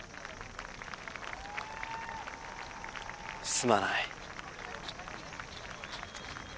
すまない。